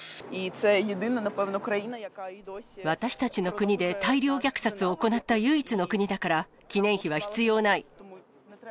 私たちの国で大量虐殺を行った唯一の国だから、記念碑は必要ない。